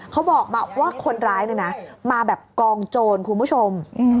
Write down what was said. เขาบอกมาว่าคนร้ายเนี่ยนะมาแบบกองโจรคุณผู้ชม